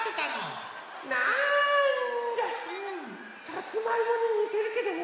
さつまいもににてるけどね。